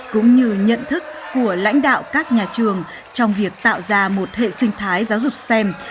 cũng như nhận thức của lãnh đạo các nhà trường trong việc tạo ra một hệ sinh thái giáo dục stem